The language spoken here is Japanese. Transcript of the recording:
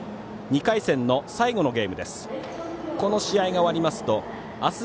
２回戦の最後のゲームです。